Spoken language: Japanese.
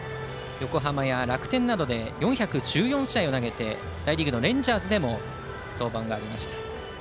横浜や楽天などで４１４試合投げて大リーグのレンジャーズでの活躍もありました。